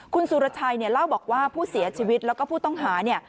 คุณสุรชัยเล่าบอกว่าผู้เสียชีวิตแล้วก็ผู้ต้องหา